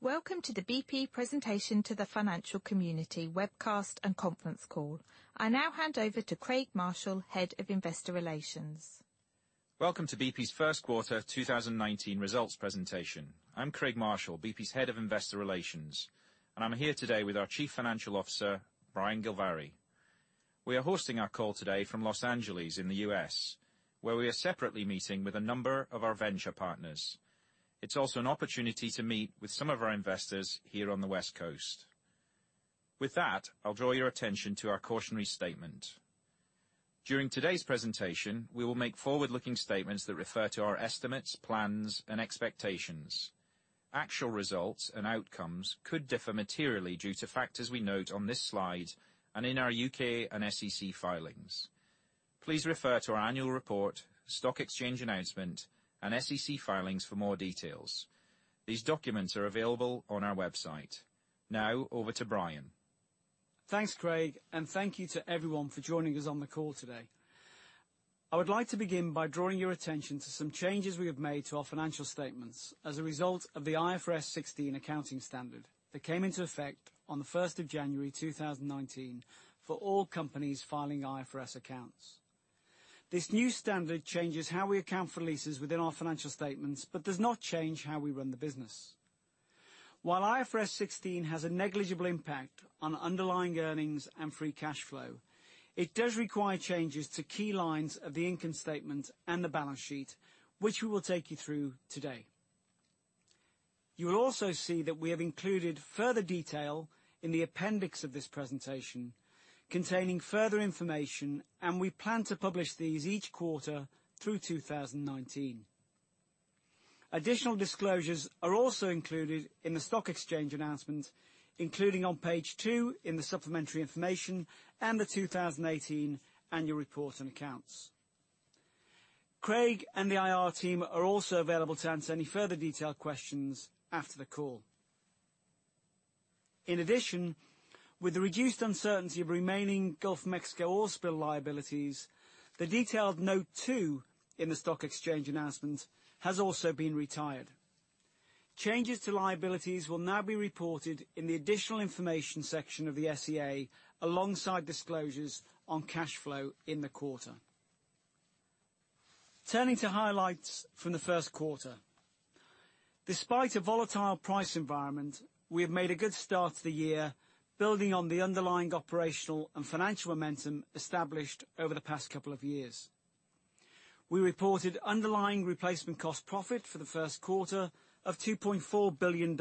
Welcome to the BP presentation to the financial community webcast and conference call. I now hand over to Craig Marshall, Head of Investor Relations. Welcome to BP's first quarter 2019 results presentation. I'm Craig Marshall, BP's Head of Investor Relations, and I'm here today with our Chief Financial Officer, Brian Gilvary. We are hosting our call today from Los Angeles in the U.S., where we are separately meeting with a number of our venture partners. It's also an opportunity to meet with some of our investors here on the West Coast. With that, I'll draw your attention to our cautionary statement. During today's presentation, we will make forward-looking statements that refer to our estimates, plans, and expectations. Actual results and outcomes could differ materially due to factors we note on this slide and in our U.K. and SEC filings. Please refer to our annual report, stock exchange announcement, and SEC filings for more details. These documents are available on our website. Over to Brian. Thanks, Craig, and thank you to everyone for joining us on the call today. I would like to begin by drawing your attention to some changes we have made to our financial statements as a result of the IFRS 16 accounting standard that came into effect on the 1st of January 2019 for all companies filing IFRS accounts. This new standard changes how we account for leases within our financial statements, but does not change how we run the business. While IFRS 16 has a negligible impact on underlying earnings and free cash flow, it does require changes to key lines of the income statement and the balance sheet, which we will take you through today. You will also see that we have included further detail in the appendix of this presentation containing further information, and we plan to publish these each quarter through 2019. Additional disclosures are also included in the stock exchange announcement, including on page two in the supplementary information and the 2018 annual report and accounts. Craig and the IR team are also available to answer any further detailed questions after the call. In addition, with the reduced uncertainty of remaining Gulf of Mexico oil spill liabilities, the detailed note two in the stock exchange announcement has also been retired. Changes to liabilities will now be reported in the additional information section of the SEA alongside disclosures on cash flow in the quarter. Turning to highlights from the first quarter. Despite a volatile price environment, we have made a good start to the year, building on the underlying operational and financial momentum established over the past couple of years. We reported underlying replacement cost profit for the first quarter of $2.4 billion,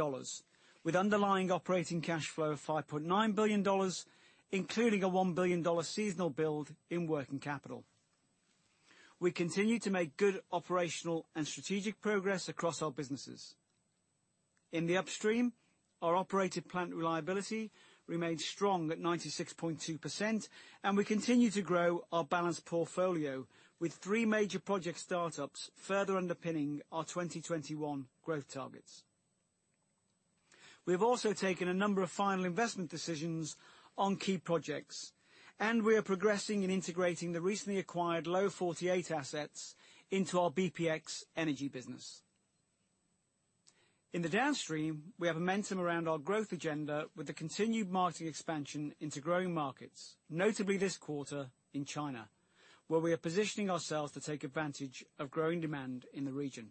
with underlying operating cash flow of $5.9 billion, including a $1 billion seasonal build in working capital. We continue to make good operational and strategic progress across our businesses. In the upstream, our operated plant reliability remains strong at 96.2%, and we continue to grow our balanced portfolio with three major project startups, further underpinning our 2021 growth targets. We have also taken a number of final investment decisions on key projects, and we are progressing in integrating the recently acquired Low 48 assets into our BPX Energy business. In the downstream, we have momentum around our growth agenda with the continued marketing expansion into growing markets, notably this quarter in China, where we are positioning ourselves to take advantage of growing demand in the region.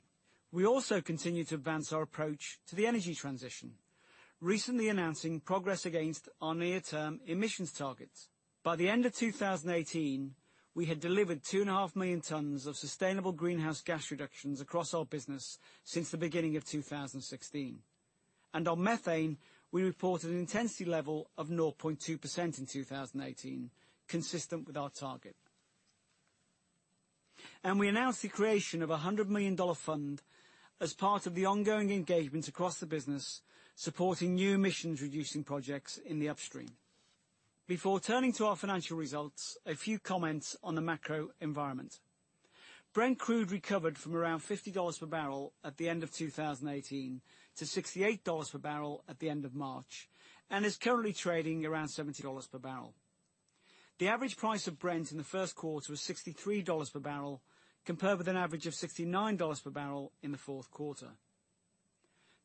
We also continue to advance our approach to the energy transition, recently announcing progress against our near-term emissions targets. By the end of 2018, we had delivered two and a half million tons of sustainable greenhouse gas reductions across our business since the beginning of 2016. On methane, we reported an intensity level of 0.2% in 2018, consistent with our target. We announced the creation of a $100 million fund as part of the ongoing engagement across the business, supporting new emissions reduction projects in the upstream. Before turning to our financial results, a few comments on the macro environment. Brent Crude recovered from around $50 per barrel at the end of 2018 to $68 per barrel at the end of March, and is currently trading around $70 per barrel. The average price of Brent in the first quarter was $63 per barrel, compared with an average of $69 per barrel in the fourth quarter.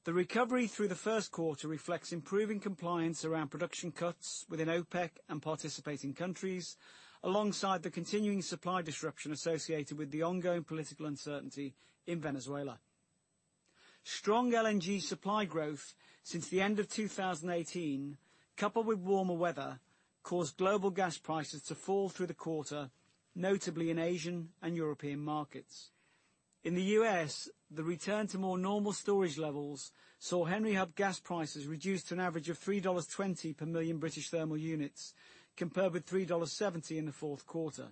The recovery through the first quarter reflects improving compliance around production cuts within OPEC and participating countries, alongside the continuing supply disruption associated with the ongoing political uncertainty in Venezuela. Strong LNG supply growth since the end of 2018, coupled with warmer weather, caused global gas prices to fall through the quarter, notably in Asian and European markets. In the U.S., the return to more normal storage levels saw Henry Hub gas prices reduced to an average of $3.20 per million British thermal units, compared with $3.70 in the fourth quarter.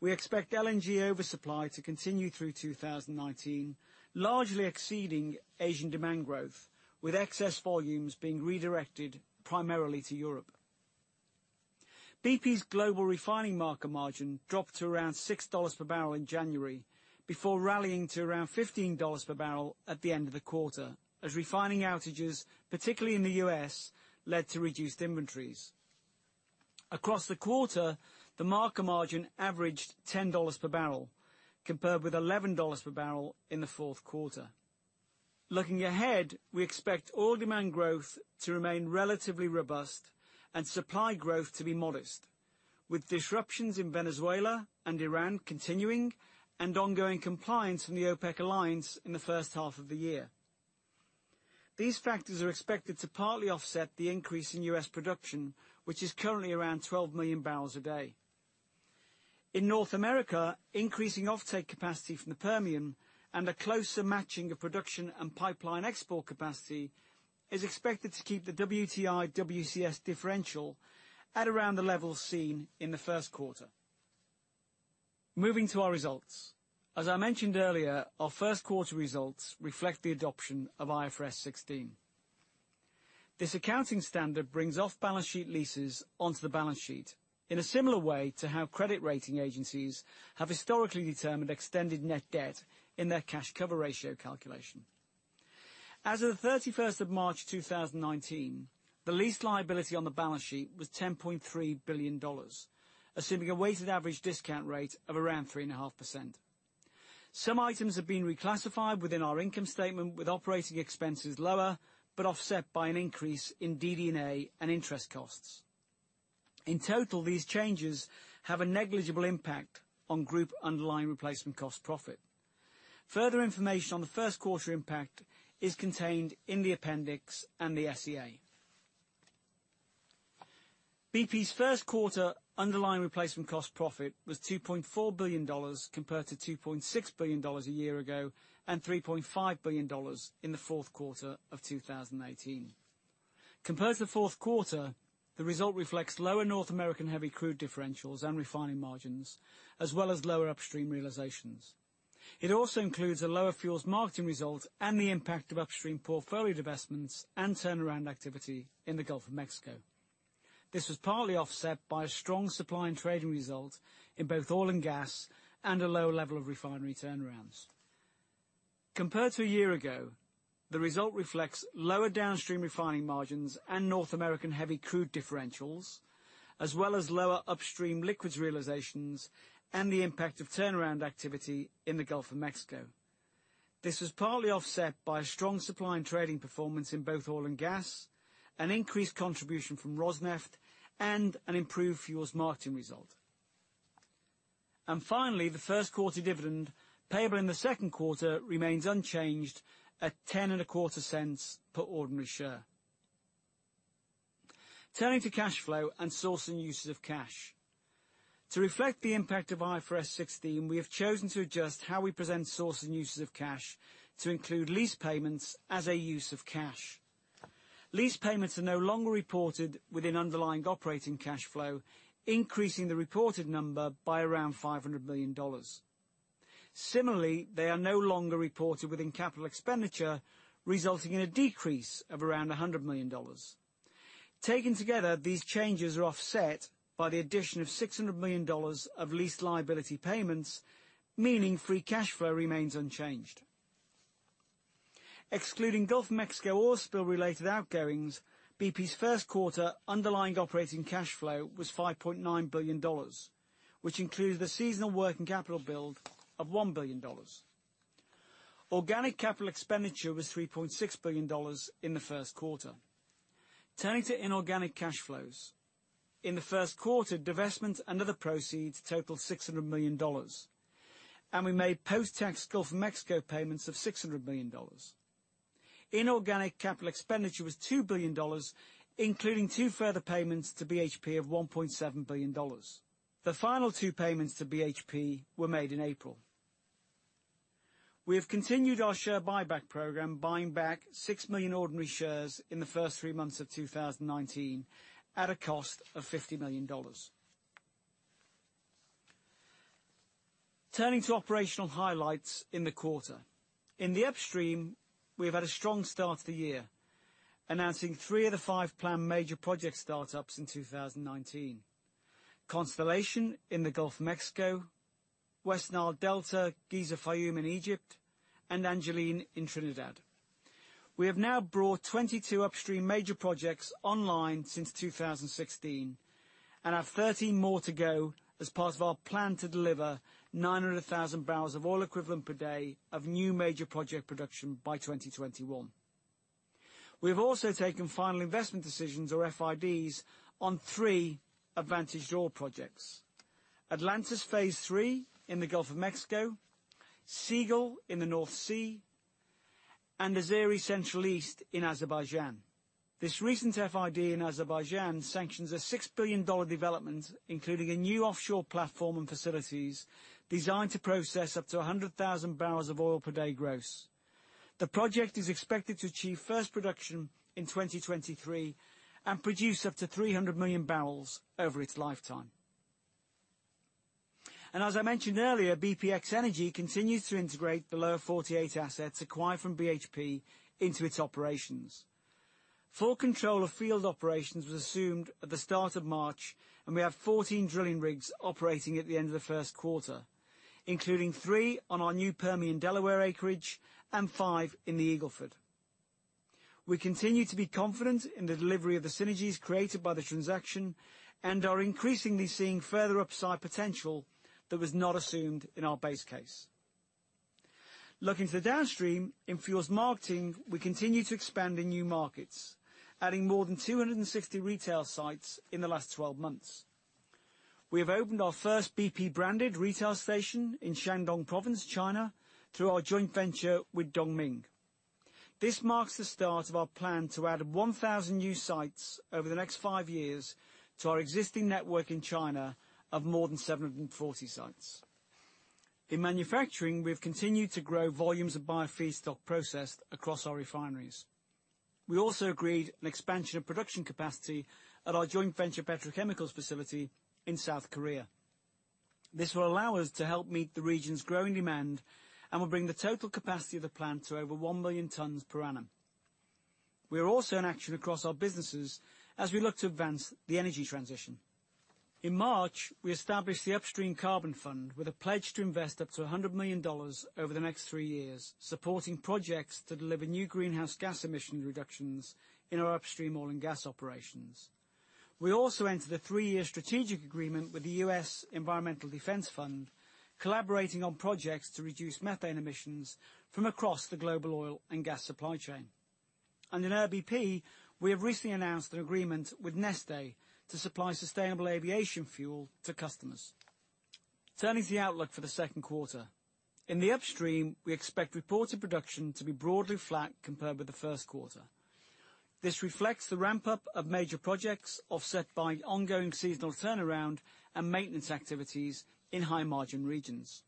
We expect LNG oversupply to continue through 2019, largely exceeding Asian demand growth, with excess volumes being redirected primarily to Europe. BP's global refining market margin dropped to around $6 per barrel in January before rallying to around $15 per barrel at the end of the quarter, as refining outages, particularly in the U.S., led to reduced inventories. Across the quarter, the marker margin averaged $10 per barrel, compared with $11 per barrel in the fourth quarter. Looking ahead, we expect oil demand growth to remain relatively robust and supply growth to be modest, with disruptions in Venezuela and Iran continuing and ongoing compliance from the OPEC alliance in the first half of the year. These factors are expected to partly offset the increase in U.S. production, which is currently around 12 million barrels a day. In North America, increasing offtake capacity from the Permian and a closer matching of production and pipeline export capacity is expected to keep the WTI/WCS differential at around the levels seen in the first quarter. Moving to our results. As I mentioned earlier, our first quarter results reflect the adoption of IFRS 16. This accounting standard brings off-balance sheet leases onto the balance sheet in a similar way to how credit rating agencies have historically determined extended net debt in their cash cover ratio calculation. As of the 31st of March 2019, the lease liability on the balance sheet was $10.3 billion, assuming a weighted average discount rate of around 3.5%. Some items have been reclassified within our income statement, with operating expenses lower, but offset by an increase in DD&A and interest costs. In total, these changes have a negligible impact on group underlying replacement cost profit. Further information on the first quarter impact is contained in the appendix and the SEA. BP's first quarter underlying replacement cost profit was $2.4 billion, compared to $2.6 billion a year ago, and $3.5 billion in the fourth quarter of 2018. Compared to the fourth quarter, the result reflects lower North American heavy crude differentials and refining margins, as well as lower upstream realizations. It also includes a lower fuels marketing result and the impact of upstream portfolio divestments and turnaround activity in the Gulf of Mexico. This was partly offset by a strong supply and trading result in both oil and gas and a lower level of refinery turnarounds. Compared to a year ago, the result reflects lower downstream refining margins and North American heavy crude differentials, as well as lower upstream liquids realizations and the impact of turnaround activity in the Gulf of Mexico. This was partly offset by a strong supply and trading performance in both oil and gas, an increased contribution from Rosneft, and an improved fuels marketing result. Finally, the first quarter dividend payable in the second quarter remains unchanged at $0.1025 per ordinary share. Turning to cash flow and source and uses of cash. To reflect the impact of IFRS 16, we have chosen to adjust how we present source and uses of cash to include lease payments as a use of cash. Lease payments are no longer reported within underlying operating cash flow, increasing the reported number by around $500 million. Similarly, they are no longer reported within capital expenditure, resulting in a decrease of around $100 million. Taken together, these changes are offset by the addition of $600 million of lease liability payments, meaning free cash flow remains unchanged. Excluding Gulf of Mexico oil spill related outgoings, BP's first quarter underlying operating cash flow was $5.9 billion, which includes the seasonal working capital build of $1 billion. Organic capital expenditure was $3.6 billion in the first quarter. Turning to inorganic cash flows. In the first quarter, divestments and other proceeds totaled $600 million, and we made post-tax Gulf of Mexico payments of $600 million. Inorganic capital expenditure was $2 billion, including two further payments to BHP of $1.7 billion. The final two payments to BHP were made in April. We have continued our share buyback program, buying back six million ordinary shares in the first three months of 2019 at a cost of $50 million. Turning to operational highlights in the quarter. In the upstream, we have had a strong start to the year, announcing three of the five planned major project startups in 2019. Constellation in the Gulf of Mexico, West Nile Delta, Giza-Fayoum in Egypt, and Angelin in Trinidad. We have now brought 22 upstream major projects online since 2016 and have 13 more to go as part of our plan to deliver 900,000 barrels of oil equivalent per day of new major project production by 2021. We have also taken final investment decisions, or FIDs, on three Advantaged Oil projects. Atlantis Phase 3 in the Gulf of Mexico, Seagull in the North Sea, and Azeri Central East in Azerbaijan. This recent FID in Azerbaijan sanctions a $6 billion development, including a new offshore platform and facilities designed to process up to 100,000 barrels of oil per day gross. The project is expected to achieve first production in 2023 and produce up to 300 million barrels over its lifetime. As I mentioned earlier, BPX Energy continues to integrate the Lower 48 assets acquired from BHP into its operations. Full control of field operations was assumed at the start of March, and we have 14 drilling rigs operating at the end of the first quarter, including three on our new Permian Delaware acreage and five in the Eagle Ford. We continue to be confident in the delivery of the synergies created by the transaction, and are increasingly seeing further upside potential that was not assumed in our base case. Looking to the Downstream, in fuels marketing, we continue to expand in new markets, adding more than 260 retail sites in the last 12 months. We have opened our first BP-branded retail station in Shandong Province, China, through our joint venture with Dongming. This marks the start of our plan to add 1,000 new sites over the next five years to our existing network in China of more than 740 sites. In manufacturing, we've continued to grow volumes of bio feedstock processed across our refineries. We also agreed an expansion of production capacity at our joint venture petrochemicals facility in South Korea. This will allow us to help meet the region's growing demand and will bring the total capacity of the plant to over 1 million tons per annum. We are also in action across our businesses as we look to advance the energy transition. In March, we established the Upstream Carbon Fund with a pledge to invest up to $100 million over the next three years, supporting projects that deliver new greenhouse gas emission reductions in our Upstream oil and gas operations. We also entered a three-year strategic agreement with the U.S. Environmental Defense Fund, collaborating on projects to reduce methane emissions from across the global oil and gas supply chain. In Air BP, we have recently announced an agreement with Neste to supply sustainable aviation fuel to customers. Turning to the outlook for the second quarter. In the Upstream, we expect reported production to be broadly flat compared with the first quarter. This reflects the ramp-up of major projects offset by ongoing seasonal turnaround and maintenance activities in high-margin regions.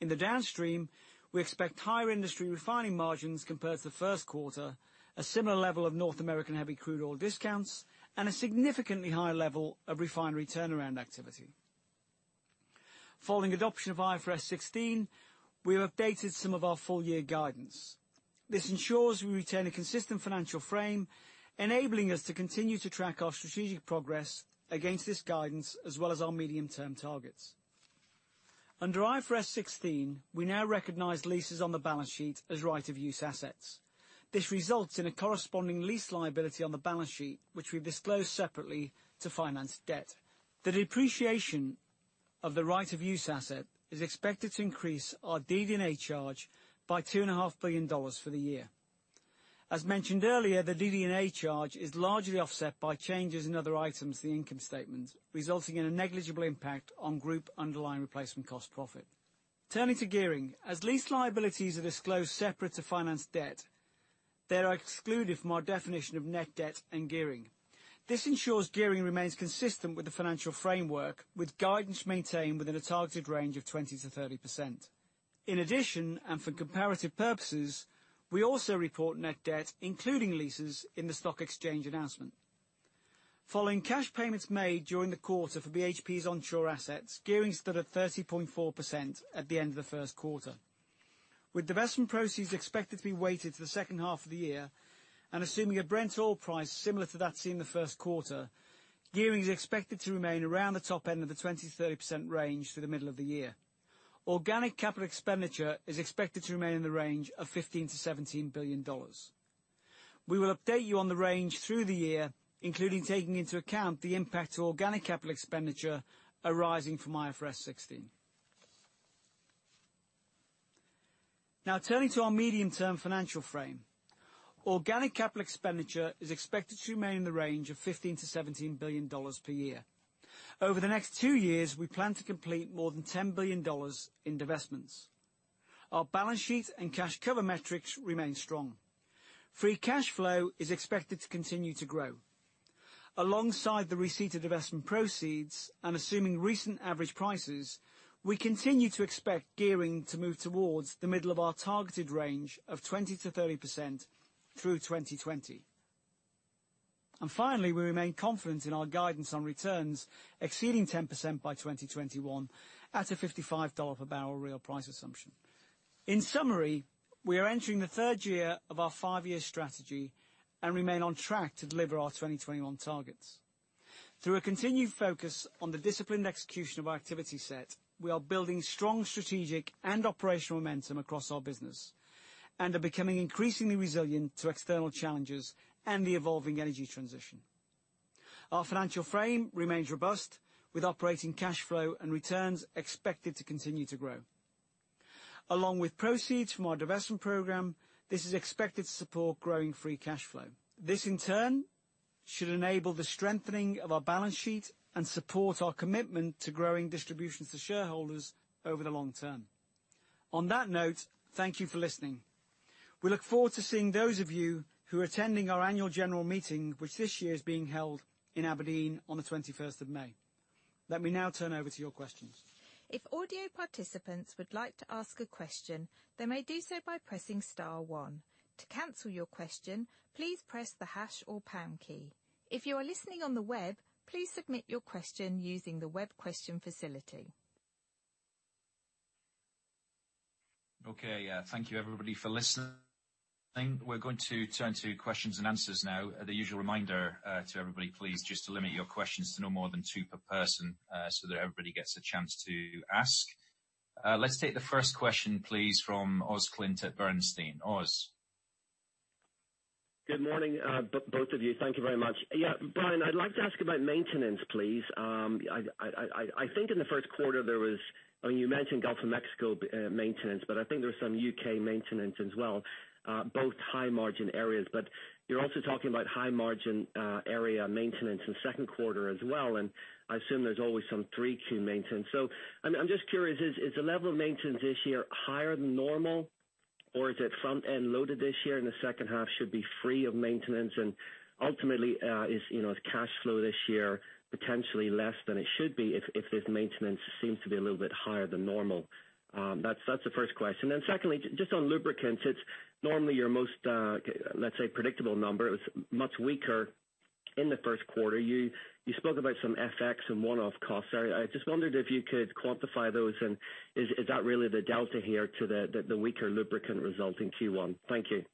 In the Downstream, we expect higher industry refining margins compared to the first quarter, a similar level of North American heavy crude oil discounts, and a significantly higher level of refinery turnaround activity. Following adoption of IFRS 16, we have updated some of our full-year guidance. This ensures we retain a consistent financial frame, enabling us to continue to track our strategic progress against this guidance as well as our medium-term targets. Under IFRS 16, we now recognize leases on the balance sheet as right-of-use assets. This results in a corresponding lease liability on the balance sheet, which we disclose separately to finance debt. The depreciation of the right-of-use asset is expected to increase our DD&A charge by $2.5 billion for the year. As mentioned earlier, the DD&A charge is largely offset by changes in other items in the income statement, resulting in a negligible impact on group underlying replacement cost profit. Turning to gearing. As lease liabilities are disclosed separate to finance debt, they are excluded from our definition of net debt and gearing. This ensures gearing remains consistent with the financial framework, with guidance maintained within a targeted range of 20%-30%. In addition, for comparative purposes, we also report net debt, including leases, in the stock exchange announcement. Following cash payments made during the quarter for BHP's onshore assets, gearing stood at 30.4% at the end of the first quarter. With divestment proceeds expected to be weighted to the second half of the year and assuming a Brent oil price similar to that seen in the first quarter, gearing is expected to remain around the top end of the 20%-30% range through the middle of the year. Organic capital expenditure is expected to remain in the range of $15 billion-$17 billion. We will update you on the range through the year, including taking into account the impact to organic capital expenditure arising from IFRS 16. Turning to our medium-term financial frame. Organic capital expenditure is expected to remain in the range of $15 billion-$17 billion per year. Over the next two years, we plan to complete more than $10 billion in divestments. Our balance sheet and cash cover metrics remain strong. Free cash flow is expected to continue to grow. Alongside the receipt of divestment proceeds and assuming recent average prices, we continue to expect gearing to move towards the middle of our targeted range of 20%-30% through 2020. Finally, we remain confident in our guidance on returns exceeding 10% by 2021 at a $55 per barrel real price assumption. In summary, we are entering the third year of our five-year strategy and remain on track to deliver our 2021 targets. Through a continued focus on the disciplined execution of our activity set, we are building strong strategic and operational momentum across our business and are becoming increasingly resilient to external challenges and the evolving energy transition. Our financial frame remains robust, with operating cash flow and returns expected to continue to grow. Along with proceeds from our divestment program, this is expected to support growing free cash flow. This in turn should enable the strengthening of our balance sheet and support our commitment to growing distributions to shareholders over the long term. On that note, thank you for listening. We look forward to seeing those of you who are attending our annual general meeting, which this year is being held in Aberdeen on the 21st of May. Let me now turn over to your questions. If audio participants would like to ask a question, they may do so by pressing star one. To cancel your question, please press the hash or pound key. If you are listening on the web, please submit your question using the web question facility. Okay. Thank you everybody for listening. We're going to turn to questions and answers now. The usual reminder to everybody, please, just to limit your questions to no more than two per person so that everybody gets a chance to ask. Let's take the first question, please, from Oswald Clint at Bernstein. Oz. Good morning, both of you. Thank you very much. Yeah, Brian, I'd like to ask about maintenance, please. I think in the first quarter, you mentioned Gulf of Mexico maintenance, but I think there was some U.K. maintenance as well, both high margin areas. You're also talking about high margin area maintenance in the second quarter as well, and I assume there's always some 3Q maintenance. I'm just curious, is the level of maintenance this year higher than normal, or is it front-end loaded this year and the second half should be free of maintenance? Ultimately, is cash flow this year potentially less than it should be if this maintenance seems to be a little bit higher than normal? That's the first question. Secondly, just on lubricants, it's normally your most, let's say, predictable number. It was much weaker in the first quarter. You spoke about some FX and one-off costs. I just wondered if you could quantify those, and is that really the delta here to the weaker lubricant result in Q1? Thank you.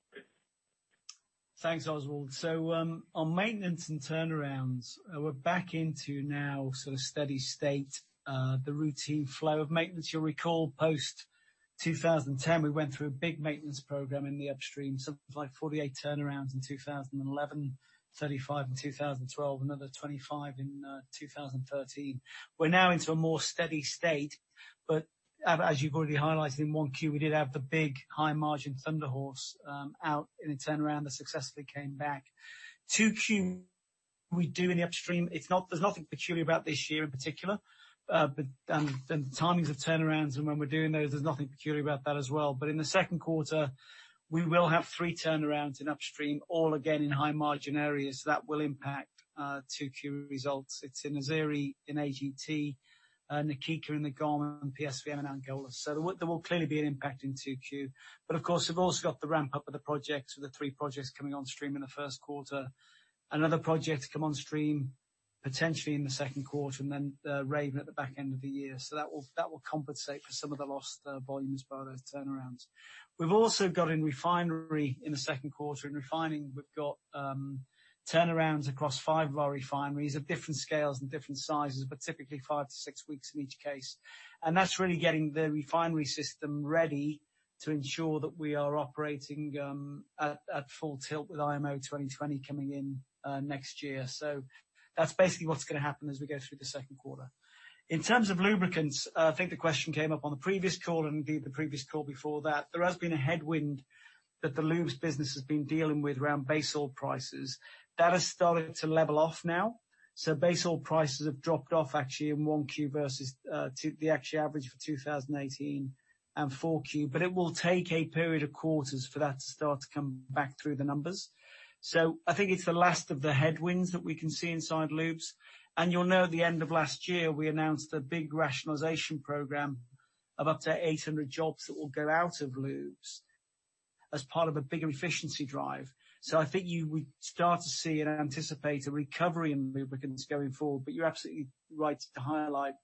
Thanks, Oswald. On maintenance and turnarounds, we're back into now sort of steady state, the routine flow of maintenance. You'll recall, post-2010, we went through a big maintenance program in the upstream. Something like 48 turnarounds in 2011, 35 in 2012, another 25 in 2013. We're now into a more steady state, but as you've already highlighted in 1Q, we did have the big high-margin Thunder Horse out in a turnaround that successfully came back. 2Q, we do in the upstream. There's nothing peculiar about this year in particular. The timings of turnarounds and when we're doing those, there's nothing peculiar about that as well. In the second quarter, we will have three turnarounds in upstream, all again in high-margin areas. That will impact 2Q results. It's in Azeri, in AGT, Na Kika, The Ghana and PSVM in Angola. There will clearly be an impact in 2Q. Of course, we've also got the ramp-up of the projects with the three projects coming on stream in the first quarter. Another project to come on stream, potentially in the second quarter, and then Raven at the back end of the year. That will compensate for some of the lost volumes by those turnarounds. We've also got in refinery in the second quarter. In refining, we've got turnarounds across five of our refineries of different scales and different sizes, but typically five to six weeks in each case. That's really getting the refinery system ready to ensure that we are operating at full tilt with IMO 2020 coming in next year. That's basically what's going to happen as we go through the second quarter. In terms of lubricants, I think the question came up on the previous call and indeed the previous call before that. There has been a headwind that the lubes business has been dealing with around base oil prices. That has started to level off now. Base oil prices have dropped off actually in 1Q versus the actual average for 2018 and 4Q. It will take a period of quarters for that to start to come back through the numbers. I think it's the last of the headwinds that we can see inside lubes. You'll know at the end of last year, we announced a big rationalization program of up to 800 jobs that will go out of lubes as part of a bigger efficiency drive. I think you would start to see and anticipate a recovery in lubricants going forward. You're absolutely right to highlight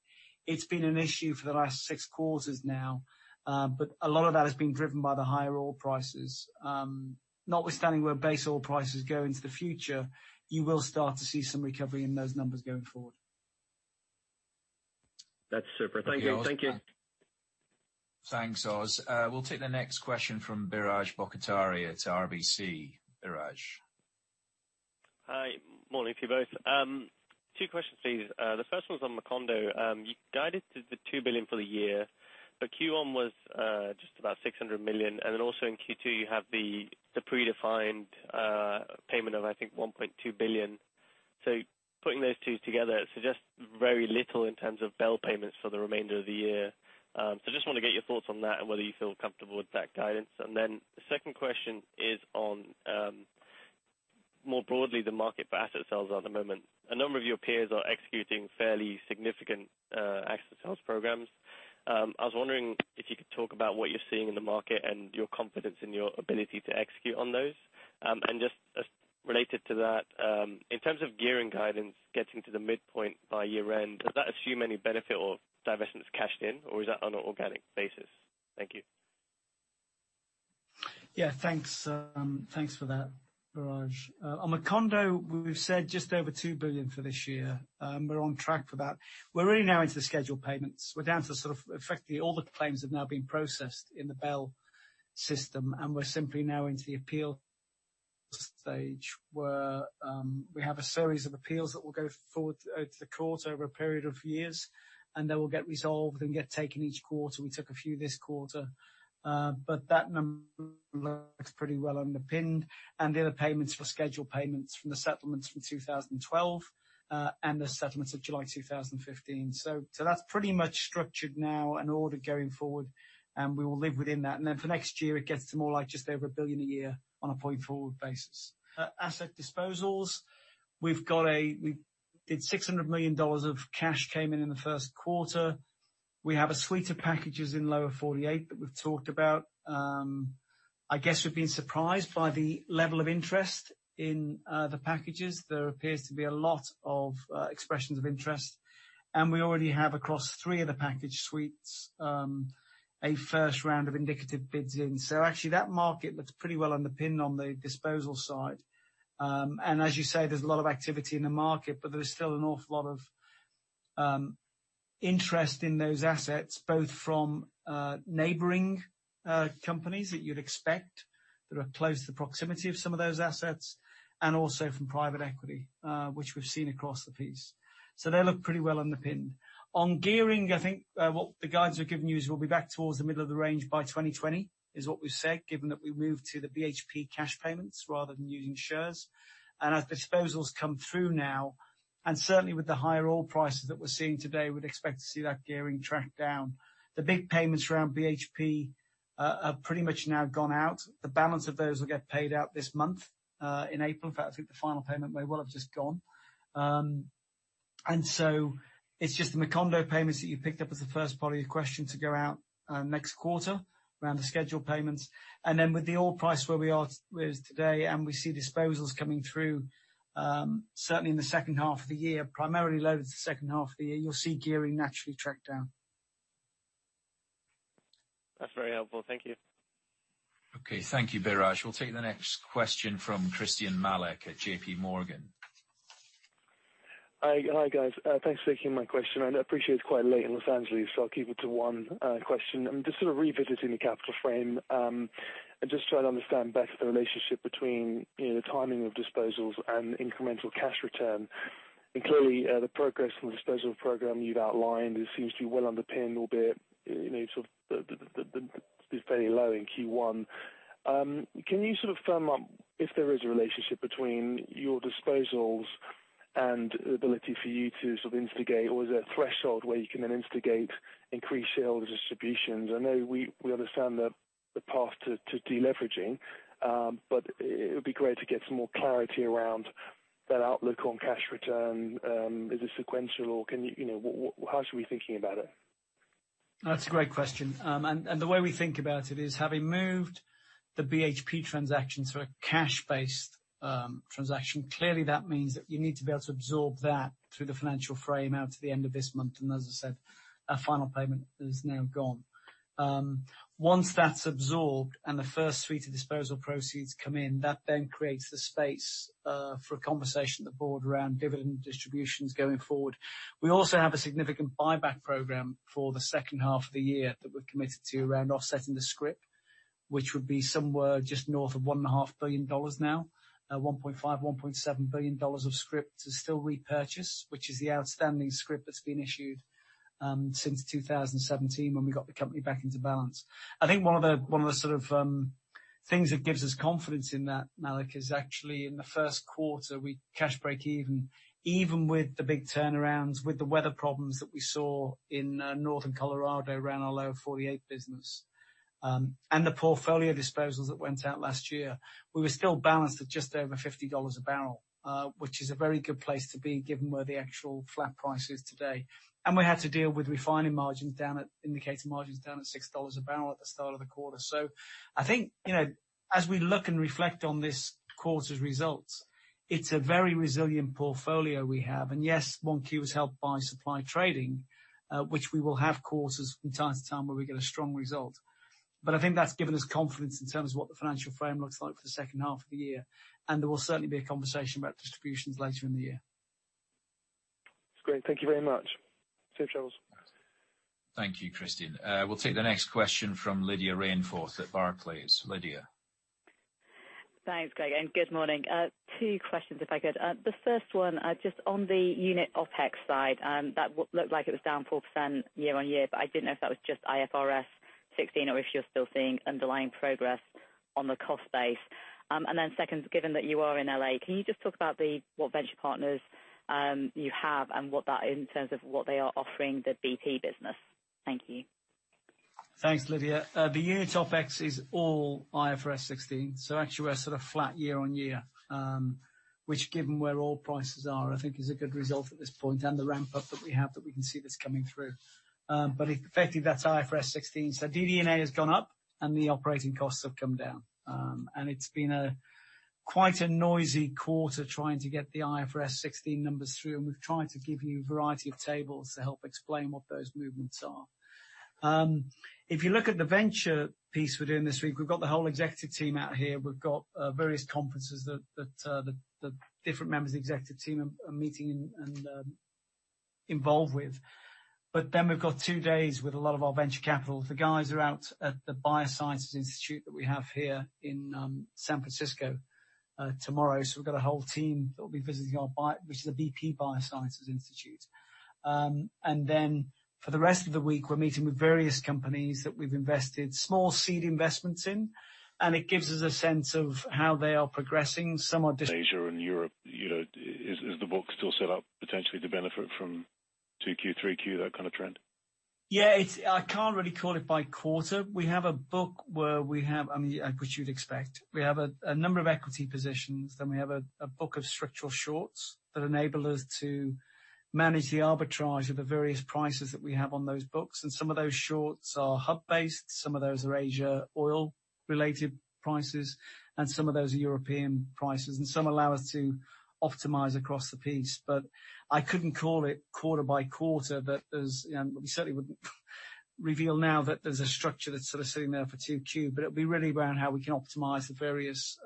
it's been an issue for the last six quarters now. A lot of that has been driven by the higher oil prices. Notwithstanding where base oil prices go into the future, you will start to see some recovery in those numbers going forward. That's super. Thank you. Thanks, Oz. We'll take the next question from Biraj Borkhataria at RBC. Biraj. Hi. Morning to you both. Two questions, please. The first one's on Macondo. Q1 was just about $600 million. Then also in Q2, you have the predefined payment of, I think, $1.2 billion. Putting those two together, it suggests very little in terms of bell payments for the remainder of the year. Just want to get your thoughts on that and whether you feel comfortable with that guidance. Then the second question is on more broadly the market for asset sales at the moment. A number of your peers are executing fairly significant asset sales programs. I was wondering if you could talk about what you're seeing in the market and your confidence in your ability to execute on those. Just related to that, in terms of gearing guidance, getting to the midpoint by year-end, does that assume any benefit or divestments cashed in, or is that on an organic basis? Thank you. Thanks for that, Biraj. On Macondo, we've said just over $2 billion for this year. We're on track for that. We're really now into the scheduled payments. We're down to sort of effectively all the claims have now been processed in the B/L system, and we're simply now into the appeal stage where we have a series of appeals that will go forward over the course over a period of years, and they will get resolved and get taken each quarter. We took a few this quarter. That number looks pretty well underpinned. The other payments were scheduled payments from the settlements from 2012, and the settlements of July 2015. That's pretty much structured now in order going forward, and we will live within that. For next year, it gets to more like just over $1 billion a year on a point-forward basis. Asset disposals, we did $600 million of cash came in in the first quarter. We have a suite of packages in Lower 48 that we've talked about. I guess we've been surprised by the level of interest in the packages. There appears to be a lot of expressions of interest, and we already have across three of the package suites, a first round of indicative bids in. Actually that market looks pretty well underpinned on the disposal side. As you say, there's a lot of activity in the market, but there is still an awful lot of interest in those assets, both from neighboring companies that you'd expect, that are close to the proximity of some of those assets, and also from private equity, which we've seen across the piece. They look pretty well underpinned. On gearing, I think what the guides we're giving you is we'll be back towards the middle of the range by 2020, is what we've said, given that we moved to the BHP cash payments rather than using shares. As disposals come through now, and certainly with the higher oil prices that we're seeing today, we'd expect to see that gearing track down. The big payments around BHP have pretty much now gone out. The balance of those will get paid out this month, in April. In fact, I think the final payment may well have just gone. It's just the Macondo payments that you picked up as the first part of your question to go out next quarter, around the scheduled payments. With the oil price where it is today, and we see disposals coming through, certainly in the second half of the year, primarily loaded to the second half of the year, you'll see gearing naturally track down. That's very helpful. Thank you. Okay, thank you Biraj. We'll take the next question from Christyan Malek at JPMorgan. Hi, guys. Thanks for taking my question. I appreciate it's quite late in L.A., so I'll keep it to one question. I'm just sort of revisiting the capital frame, and just trying to understand better the relationship between the timing of disposals and incremental cash return. Clearly the progress from the disposal program you've outlined, it seems to be well underpinned, albeit sort of is fairly low in Q1. Can you sort of firm up if there is a relationship between your disposals and the ability for you to instigate, or is there a threshold where you can then instigate increased sales distributions? I know we understand the path to deleveraging. It would be great to get some more clarity around that outlook on cash return. Is it sequential, how should we be thinking about it? That's a great question. The way we think about it is, having moved the BHP transaction to a cash-based transaction, clearly that means that you need to be able to absorb that through the financial frame out to the end of this month. As I said, our final payment is now gone. Once that's absorbed and the first suite of disposal proceeds come in, that then creates the space for a conversation with the board around dividend distributions going forward. We also have a significant buyback program for the second half of the year that we're committed to around offsetting the scrip, which would be somewhere just north of $1.5 billion now, $1.5 billion-$1.7 billion of scrip to still repurchase, which is the outstanding scrip that's been issued since 2017 when we got the company back into balance. I think one of the sort of things that gives us confidence in that, Malek, is actually in the first quarter, we cash breakeven, even with the big turnarounds, with the weather problems that we saw in northern Colorado around our Lower 48 business. The portfolio disposals that went out last year. We were still balanced at just over $50 a barrel. Which is a very good place to be given where the actual flat price is today. We had to deal with refining margins down at indicator margins down at $6 a barrel at the start of the quarter. I think as we look and reflect on this quarter's results, it is a very resilient portfolio we have. Yes, 1Q was helped by supply trading. Which we will have quarters from time to time where we get a strong result. I think that's given us confidence in terms of what the financial frame looks like for the second half of the year, and there will certainly be a conversation about distributions later in the year. That's great. Thank you very much. Safe travels. Thank you, Christyan. We'll take the next question from Lydia Rainforth at Barclays. Lydia. Thanks, Craig, good morning. Two questions if I could. The first one, just on the unit OpEx side, that looked like it was down 4% year-over-year, but I didn't know if that was just IFRS 16 or if you're still seeing underlying progress on the cost base. Second, given that you are in L.A., can you just talk about what venture partners you have and what that in terms of what they are offering the BP business? Thank you. Thanks, Lydia. The unit OpEx is all IFRS 16, actually we're sort of flat year-over-year. Which given where oil prices are, I think is a good result at this point, and the ramp-up that we have that we can see that's coming through. Effectively that's IFRS 16. DD&A has gone up and the operating costs have come down. It's been quite a noisy quarter trying to get the IFRS 16 numbers through, and we've tried to give you a variety of tables to help explain what those movements are. If you look at the venture piece we're doing this week, we've got the whole executive team out here. We've got various conferences that the different members of the executive team are meeting and involved with. We've got two days with a lot of our venture capital. The guys are out at the Biosciences Institute that we have here in San Francisco tomorrow. We've got a whole team that will be visiting our which is the Energy Biosciences Institute. For the rest of the week, we're meeting with various companies that we've invested small seed investments in, and it gives us a sense of how they are progressing. Asia and Europe, is the book still set up potentially to benefit from 2Q, 3Q, that kind of trend? Yeah. I can't really call it by quarter. We have a book where we have. Which you'd expect. We have a number of equity positions, then we have a book of structural shorts that enable us to manage the arbitrage of the various prices that we have on those books. Some of those shorts are hub-based, some of those are Asia oil-related prices, and some of those are European prices. Some allow us to optimize across the piece. I couldn't call it quarter by quarter. We certainly wouldn't reveal now that there's a structure that's sort of sitting there for 2Q, but it'll be really around how we can optimize the various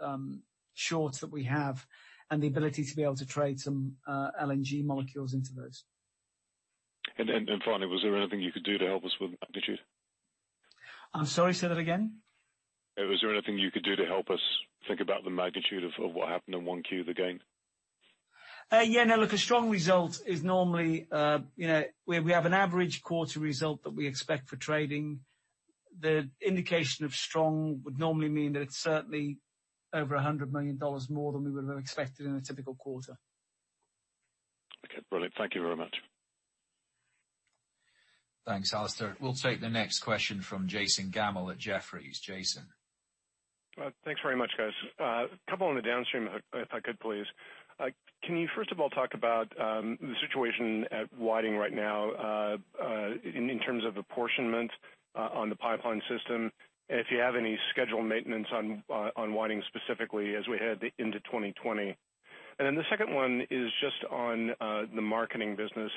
shorts that we have and the ability to be able to trade some LNG molecules into those. Finally, was there anything you could do to help us with magnitude? I'm sorry, say that again? Was there anything you could do to help us think about the magnitude of what happened in 1Q, the gain? Yeah. No, look, a strong result is normally where we have an average quarter result that we expect for trading. The indication of strong would normally mean that it's certainly over $100 million more than we would have expected in a typical quarter. Okay, brilliant. Thank you very much. Thanks, Alistair. We'll take the next question from Jason Gammel at Jefferies. Jason. Thanks very much, guys. A couple on the downstream, if I could please. Can you first of all talk about the situation at Whiting right now, in terms of apportionment on the pipeline system, and if you have any scheduled maintenance on Whiting specifically as we head into 2020? The second one is just on the marketing business.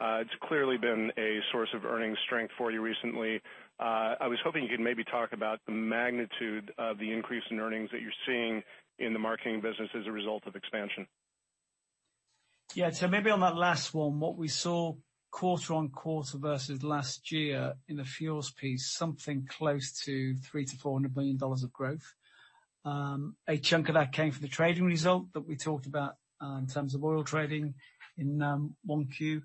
It's clearly been a source of earning strength for you recently. I was hoping you could maybe talk about the magnitude of the increase in earnings that you're seeing in the marketing business as a result of expansion. Yeah. Maybe on that last one, what we saw quarter-on-quarter versus last year in the fuels piece, something close to $300 billion-$400 billion of growth. A chunk of that came from the trading result that we talked about, in terms of oil trading in 1Q.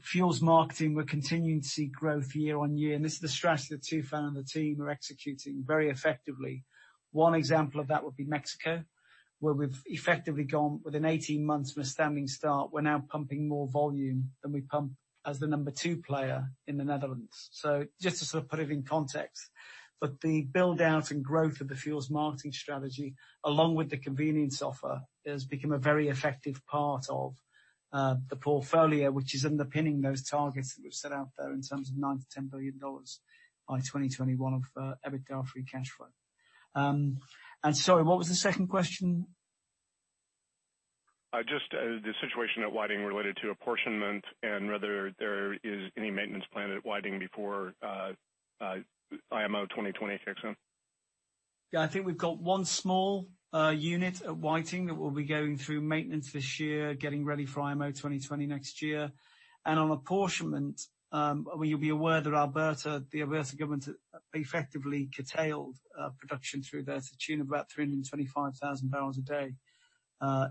Fuels marketing, we're continuing to see growth year-on-year, and this is the strategy that Toufic and the team are executing very effectively. One example of that would be Mexico, where we've effectively gone within 18 months from a standing start. We're now pumping more volume than we pump as the number 2 player in the Netherlands. Just to sort of put it in context. The build-out and growth of the fuels marketing strategy, along with the convenience offer, has become a very effective part of the portfolio, which is underpinning those targets that we've set out there in terms of $9 billion-$10 billion by 2021 of EBITDA free cash flow. Sorry, what was the second question? Just the situation at Whiting related to apportionment and whether there is any maintenance plan at Whiting before IMO 2020 kicks in. Yeah, I think we've got 1 small unit at Whiting that will be going through maintenance this year, getting ready for IMO 2020 next year. On apportionment, you'll be aware that Alberta, the Alberta government effectively curtailed production through there to the tune of about 325,000 barrels a day,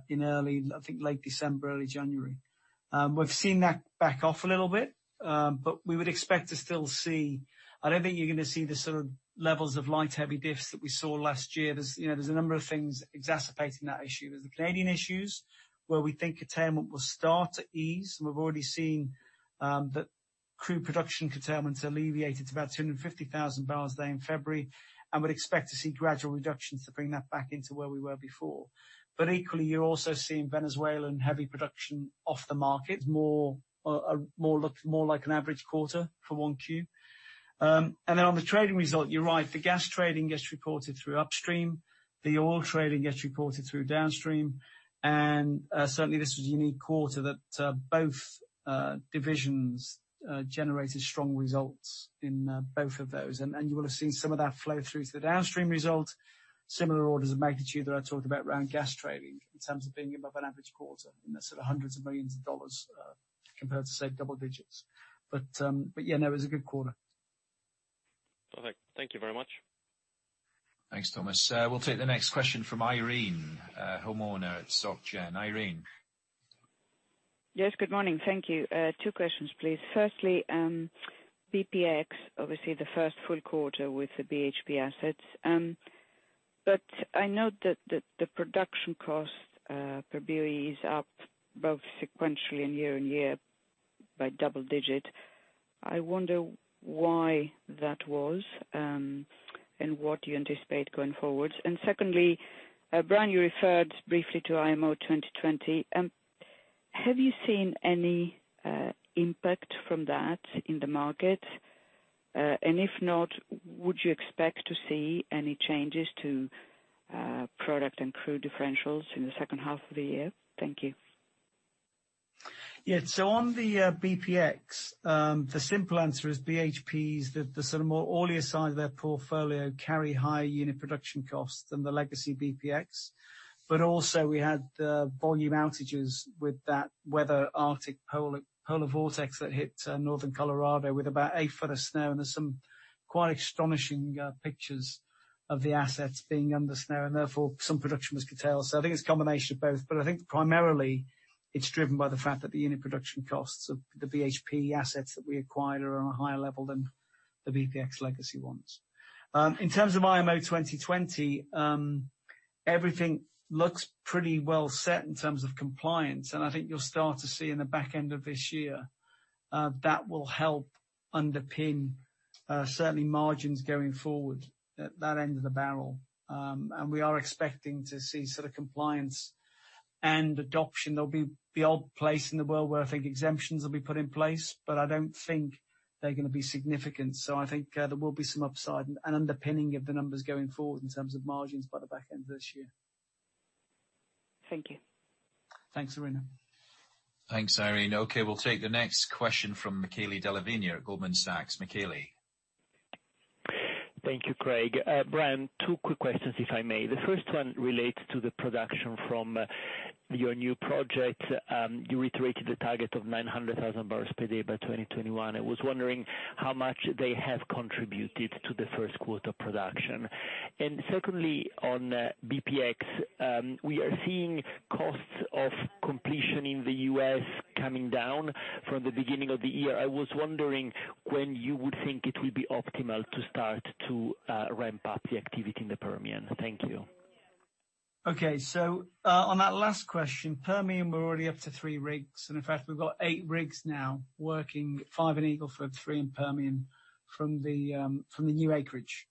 late December, early January. We've seen that back off a little bit. We would expect to still see I don't think you're going to see the sort of levels of light heavy diffs that we saw last year. There's a number of things exacerbating that issue. There's the Canadian issues, where we think curtailment will start to ease, and we've already seen that crude production curtailments alleviated to about 250,000 barrels a day in February and would expect to see gradual reductions to bring that back into where we were before. Equally, you're also seeing Venezuelan heavy production off the market, more like an average quarter for 1Q. On the trading result, you're right, the gas trading gets reported through Upstream. The oil trading gets reported through Downstream. Certainly this was a unique quarter that both divisions generated strong results in both of those. You will have seen some of that flow through to the Downstream result. Similar orders of magnitude that I talked about around gas trading in terms of being above an average quarter. That's sort of $hundreds of millions, compared to, say, double digits. Yeah, no, it was a good quarter. Perfect. Thank you very much. Thanks, Jason. We'll take the next question from Irene Himona at Société Générale. Irene. Yes, good morning. Thank you. Two questions, please. Firstly, BPX, obviously the first full quarter with the BHP assets. I note that the production cost per BOE is up both sequentially and year-on-year by double digit. I wonder why that was, and what you anticipate going forward. Secondly, Brian, you referred briefly to IMO 2020. Have you seen any impact from that in the market? If not, would you expect to see any changes to product and crude differentials in the second half of the year? Thank you. On the BPX, the simple answer is BHP's the sort of more oilier side of their portfolio carry higher unit production costs than the legacy BPX. Also we had volume outages with that weather Arctic polar vortex that hit Northern Colorado with about a foot of snow. There's some quite astonishing pictures of the assets being under snow, and therefore, some production was curtailed. I think it's a combination of both, but I think primarily it's driven by the fact that the unit production costs of the BHP assets that we acquired are on a higher level than the BPX legacy ones. In terms of IMO 2020, everything looks pretty well set in terms of compliance, and I think you'll start to see in the back end of this year that will help underpin certainly margins going forward at that end of the barrel. We are expecting to see sort of compliance and adoption. There'll be the odd place in the world where I think exemptions will be put in place, I don't think they're going to be significant. I think there will be some upside and underpinning of the numbers going forward in terms of margins by the back end of this year. Thank you. Thanks, Irene. Thanks, Irene. We'll take the next question from Michele Della Vigna at Goldman Sachs. Michele? Thank you, Craig. Brian, two quick questions, if I may. The first one relates to the production from your new project. You reiterated the target of 900,000 barrels per day by 2021. I was wondering how much they have contributed to the first quarter production. Secondly, on BPX, we are seeing costs of completion in the U.S. coming down from the beginning of the year. I was wondering when you would think it will be optimal to start to ramp up the activity in the Permian. Thank you. On that last question, Permian, we're already up to three rigs, and in fact, we've got eight rigs now working, five in Eagle Ford, three in Permian from the new acreage.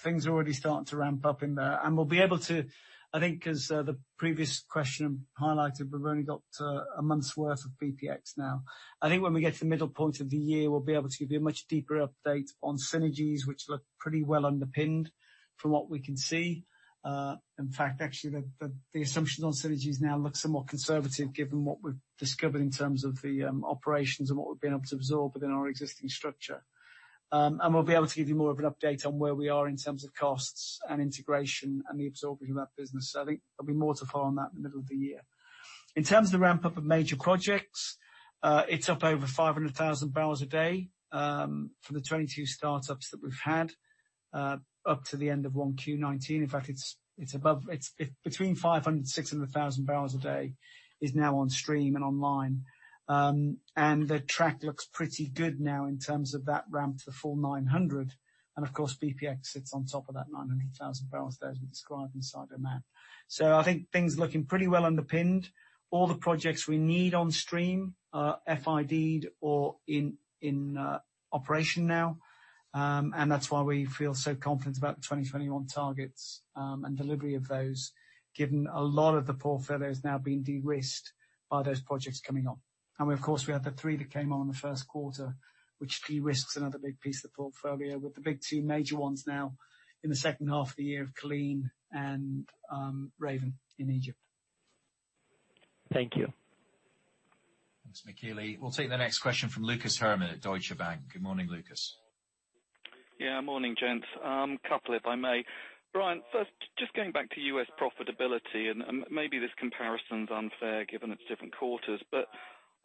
Things are already starting to ramp up in there. We'll be able to, I think as the previous question highlighted, we've only got a month's worth of BPX now. I think when we get to the middle point of the year, we'll be able to give you a much deeper update on synergies, which look pretty well underpinned from what we can see. In fact, actually, the assumptions on synergies now look somewhat conservative given what we've discovered in terms of the operations and what we've been able to absorb within our existing structure. We'll be able to give you more of an update on where we are in terms of costs and integration and the absorption of that business. I think there'll be more to follow on that in the middle of the year. In terms of the ramp-up of major projects, it's up over 500,000 barrels a day from the 22 startups that we've had up to the end of 1Q19. In fact, between 500,000 to 600,000 barrels a day is now on stream and online. The track looks pretty good now in terms of that ramp to the full 900. Of course, BPX sits on top of that 900,000 barrels a day, as we described inside of that. I think things are looking pretty well underpinned. All the projects we need on stream are FIDed or in operation now. That's why we feel so confident about the 2021 targets, and delivery of those, given a lot of the portfolio has now been de-risked by those projects coming on. Of course, we have the three that came on in the first quarter, which de-risks another big piece of the portfolio, with the big two major ones now in the second half of the year of Culzean and Raven in Egypt. Thank you. Thanks, Michele. We'll take the next question from Lukas Herrmann at Deutsche Bank. Good morning, Lukas. Morning, gents. A couple if I may. Brian, first, just going back to U.S. profitability, and maybe this comparison's unfair given it's different quarters, but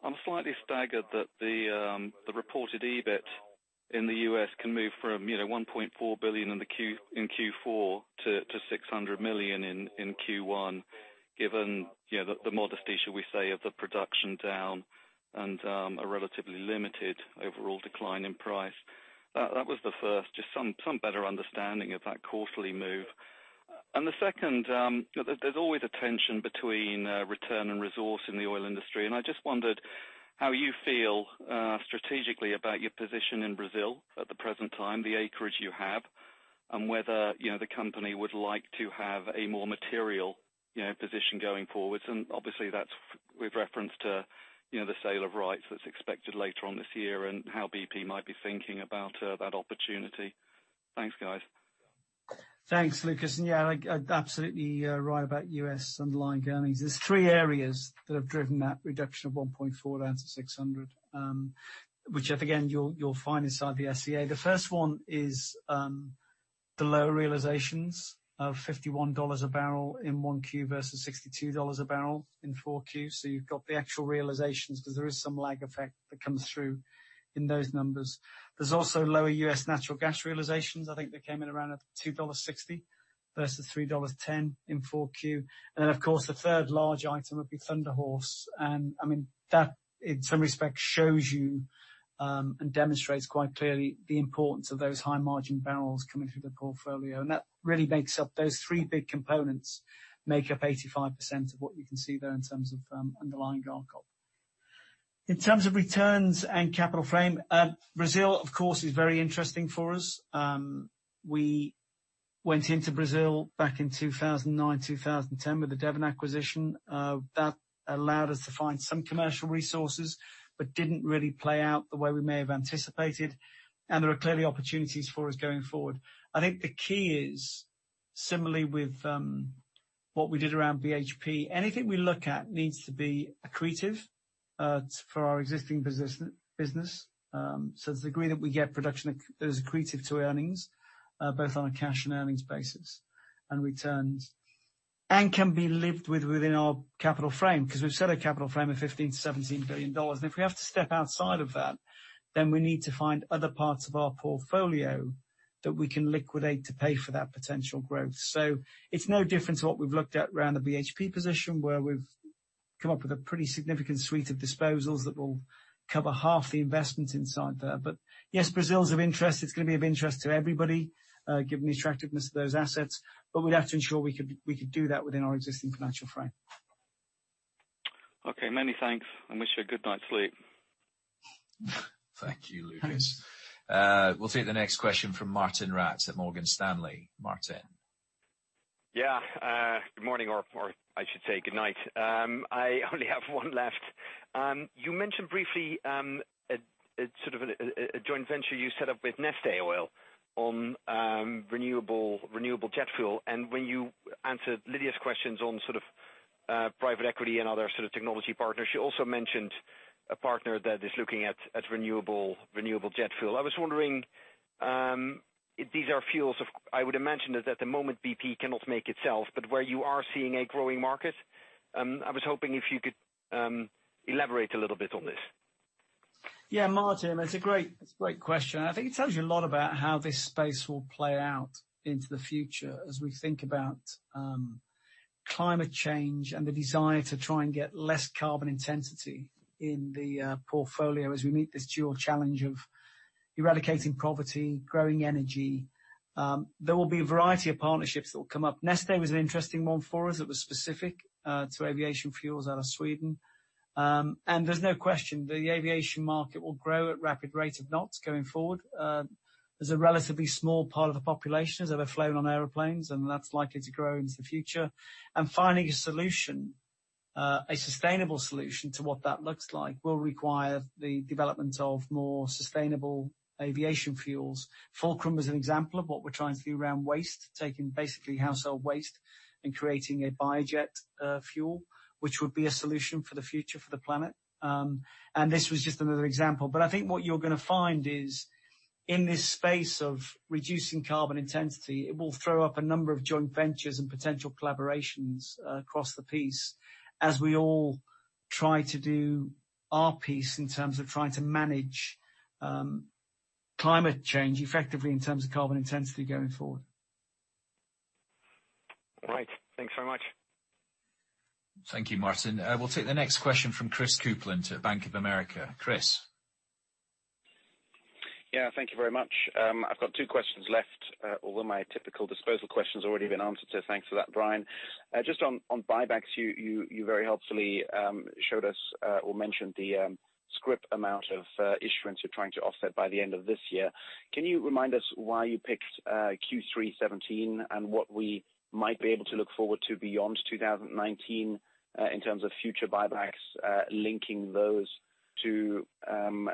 I'm slightly staggered that the reported EBIT in the U.S. can move from $1.4 billion in Q4 to $600 million in Q1, given the modesty, should we say, of the production down and a relatively limited overall decline in price. That was the first, just some better understanding of that quarterly move. The second, there's always a tension between return and resource in the oil industry, and I just wondered how you feel strategically about your position in Brazil at the present time, the acreage you have, and whether the company would like to have a more material position going forwards. Obviously that's with reference to the sale of rights that's expected later on this year and how BP might be thinking about that opportunity. Thanks, guys. Thanks, Lukas. Yeah, absolutely right about U.S. underlying earnings. There's three areas that have driven that reduction of $1.4 down to $600, which again, you'll find inside the SEA. The first one is the lower realizations of $51 a barrel in 1Q versus $62 a barrel in 4Q. You've got the actual realizations because there is some lag effect that comes through in those numbers. There's also lower U.S. natural gas realizations. I think they came in around at $2.60 versus $3.10 in 4Q. Then of course, the third large item would be Thunder Horse. That in some respects shows you, and demonstrates quite clearly the importance of those high-margin barrels coming through the portfolio. That really makes up those three big components, make up 85% of what you can see there in terms of underlying GA&OP. In terms of returns and capital frame, Brazil of course is very interesting for us. We went into Brazil back in 2009, 2010 with the Devon acquisition. That allowed us to find some commercial resources, but didn't really play out the way we may have anticipated. There are clearly opportunities for us going forward. I think the key is, similarly with what we did around BHP, anything we look at needs to be accretive for our existing business. To the degree that we get production that is accretive to earnings both on a cash and earnings basis and returns, and can be lived with within our capital frame. Because we've set a capital frame of $15 billion-$17 billion. If we have to step outside of that, we need to find other parts of our portfolio that we can liquidate to pay for that potential growth. It's no different to what we've looked at around the BHP position where we've come up with a pretty significant suite of disposals that will cover half the investment inside there. Yes, Brazil is of interest. It's going to be of interest to everybody given the attractiveness of those assets. We'd have to ensure we could do that within our existing financial frame. Okay. Many thanks, and wish you a good night's sleep. Thank you, Lukas. We'll take the next question from Martijn Rats at Morgan Stanley. Martijn? Good morning, or I should say good night. I only have one left. You mentioned briefly a joint venture you set up with Neste on renewable jet fuel. When you answered Lydia's questions on private equity and other sort of technology partners, she also mentioned a partner that is looking at renewable jet fuel. I was wondering, these are fuels I would imagine that at the moment BP cannot make itself, but where you are seeing a growing market. I was hoping if you could elaborate a little bit on this. Martijn, that's a great question, and I think it tells you a lot about how this space will play out into the future as we think about climate change and the desire to try and get less carbon intensity in the portfolio as we meet this dual challenge of eradicating poverty, growing energy. There will be a variety of partnerships that will come up. Neste was an interesting one for us that was specific to aviation fuels out of Sweden. There's no question the aviation market will grow at rapid rate of knots going forward. There's a relatively small part of the population that have ever flown on airplanes, and that's likely to grow into the future. Finding a solution, a sustainable solution to what that looks like will require the development of more sustainable aviation fuels. Fulcrum is an example of what we're trying to do around waste, taking basically household waste and creating a biojet fuel, which would be a solution for the future for the planet. This was just another example. I think what you're going to find is, in this space of reducing carbon intensity, it will throw up a number of joint ventures and potential collaborations across the piece as we all try to do our piece in terms of trying to manage climate change effectively in terms of carbon intensity going forward. Right. Thanks very much. Thank you, Martijn. We'll take the next question from Christopher Kuplent at Bank of America. Chris. Yeah, thank you very much. I've got two questions left, although my typical disposal question's already been answered, so thanks for that, Brian. Just on buybacks, you very helpfully showed us or mentioned the scrip amount of issuance you're trying to offset by the end of this year. Can you remind us why you picked Q3 2017 and what we might be able to look forward to beyond 2019 in terms of future buybacks linking those to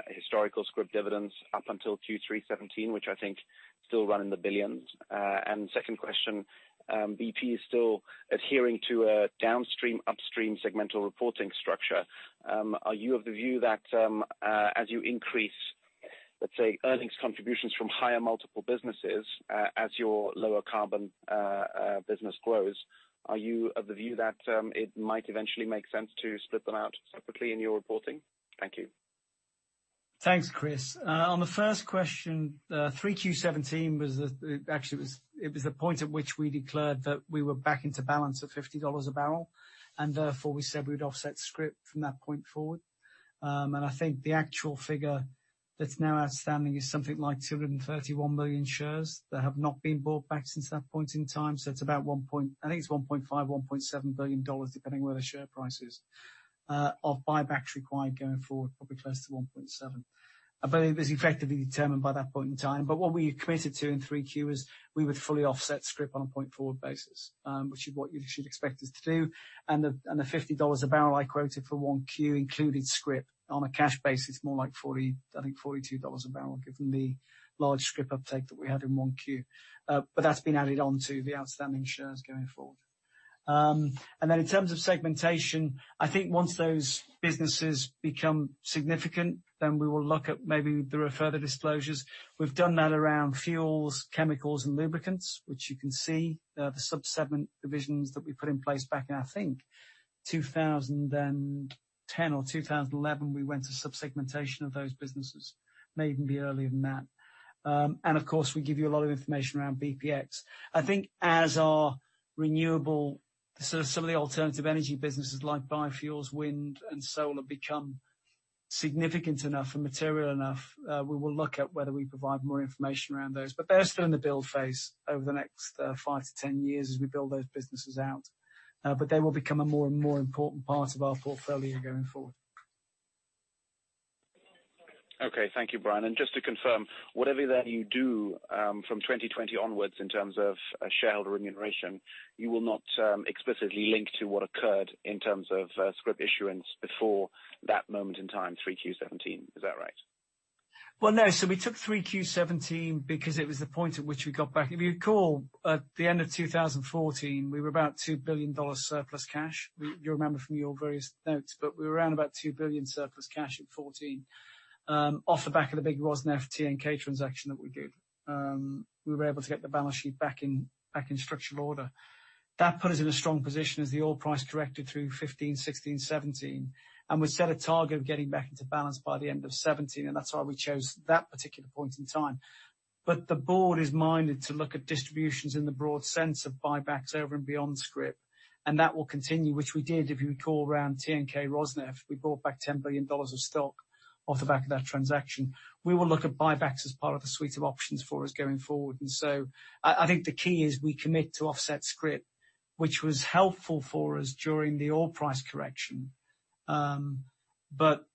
historical scrip dividends up until Q3 2017, which I think still run in the $ billions? Second question, BP is still adhering to a downstream, upstream segmental reporting structure. Are you of the view that as you increase, let's say, earnings contributions from higher multiple businesses, as your lower carbon business grows, are you of the view that it might eventually make sense to split them out separately in your reporting? Thank you. Thanks, Chris. On the first question, 3Q17 actually it was the point at which we declared that we were back into balance at $50 a barrel, therefore we said we'd offset scrip from that point forward. I think the actual figure that's now outstanding is something like 231 million shares that have not been bought back since that point in time. It's about, I think it's $1.5 billion, $1.7 billion, depending where the share price is, of buybacks required going forward, probably close to $1.7 billion. It was effectively determined by that point in time. What we committed to in 3Q was we would fully offset scrip on a point-forward basis, which is what you'd expect us to do. The $50 a barrel I quoted for 1Q included scrip. On a cash basis, more like I think $42 a barrel, given the large scrip uptake that we had in 1Q. That's been added onto the outstanding shares going forward. In terms of segmentation, I think once those businesses become significant, we will look at maybe there are further disclosures. We've done that around fuels, chemicals, and lubricants, which you can see the sub-segment divisions that we put in place back in, I think, 2010 or 2011. We went to sub-segmentation of those businesses. May even be earlier than that. Of course, we give you a lot of information around BPX. I think as our renewable, some of the alternative energy businesses like biofuels, wind, and solar become significant enough and material enough, we will look at whether we provide more information around those. They're still in the build phase over the next 5 to 10 years as we build those businesses out. They will become a more and more important part of our portfolio going forward. Okay. Thank you, Brian. Just to confirm, whatever that you do from 2020 onwards in terms of shareholder remuneration, you will not explicitly link to what occurred in terms of scrip issuance before that moment in time, 3Q17. Is that right? No. We took 3Q 2017 because it was the point at which we got back. If you recall, at the end of 2014, we were about $2 billion surplus cash. You remember from your various notes, but we were around about $2 billion surplus cash in 2014 off the back of the big Rosneft TNK-BP transaction that we did. We were able to get the balance sheet back in structural order. That put us in a strong position as the oil price corrected through 2015, 2016, 2017. We set a target of getting back into balance by the end of 2017. That's why we chose that particular point in time. The board is minded to look at distributions in the broad sense of buybacks over and beyond scrip. That will continue, which we did, if you recall, around TNK-BP Rosneft. We bought back $10 billion of stock off the back of that transaction. We will look at buybacks as part of the suite of options for us going forward. I think the key is we commit to offset scrip, which was helpful for us during the oil price correction.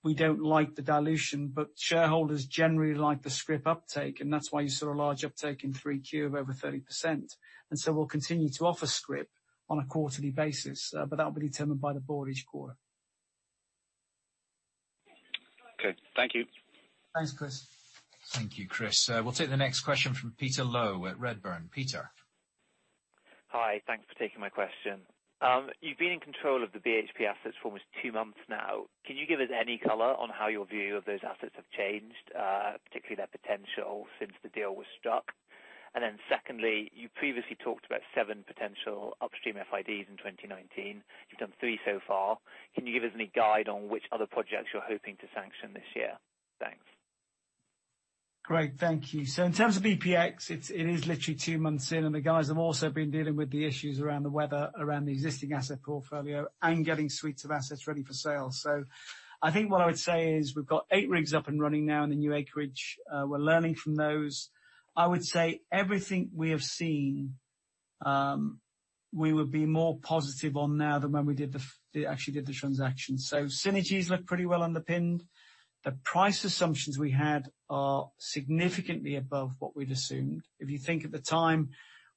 We don't like the dilution. Shareholders generally like the scrip uptake. That's why you saw a large uptake in 3Q of over 30%. We'll continue to offer scrip on a quarterly basis, but that will be determined by the board each quarter. Okay. Thank you. Thanks, Chris. Thank you, Chris. We'll take the next question from Peter Low at Redburn. Peter. Hi. Thanks for taking my question. You've been in control of the BHP assets for almost two months now. Can you give us any color on how your view of those assets have changed, particularly their potential since the deal was struck? Secondly, you previously talked about seven potential upstream FIDs in 2019. You've done three so far. Can you give us any guide on which other projects you're hoping to sanction this year? Thanks. Great. Thank you. In terms of BPX, it is literally two months in, the guys have also been dealing with the issues around the weather, around the existing asset portfolio and getting suites of assets ready for sale. I think what I would say is we've got eight rigs up and running now in the new acreage. We're learning from those. I would say everything we have seen, we would be more positive on now than when we actually did the transaction. Synergies look pretty well underpinned. The price assumptions we had are significantly above what we'd assumed. If you think at the time,